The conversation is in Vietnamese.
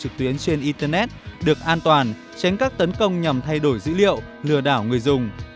các dịch vụ truyền trên internet được an toàn tránh các tấn công nhằm thay đổi dữ liệu lừa đảo người dùng